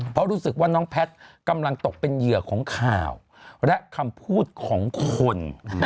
เพราะรู้สึกว่าน้องแพทย์กำลังตกเป็นเหยื่อของข่าวและคำพูดของคน